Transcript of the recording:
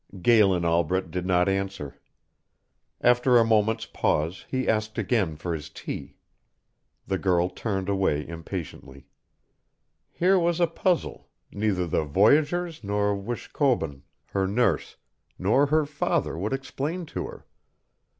Galen Albret did not answer. After a moment's pause he asked again for his tea. The girl turned away impatiently. Here was a puzzle, neither the voyageurs, nor Wishkobun her nurse, nor her father would explain to her.